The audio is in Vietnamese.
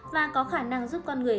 và có khả năng giúp con người